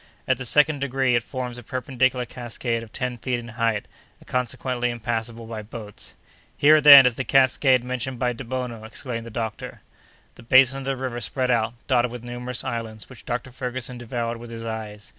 At the second degree it forms a perpendicular cascade of ten feet in height, and consequently impassable by boats. "Here, then, is the cascade mentioned by Debono!" exclaimed the doctor. The basin of the river spread out, dotted with numerous islands, which Dr. Ferguson devoured with his eyes.